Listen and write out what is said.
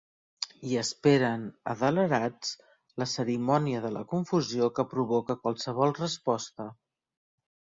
I esperen, adelerats, la cerimònia de la confusió que provoca qualsevol resposta.